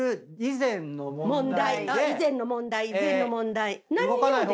以前の問題以前の問題。